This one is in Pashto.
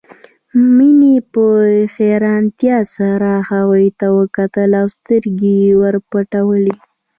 مينې په حيرانتيا سره هغوی ته وکتل او سترګې يې ورپولې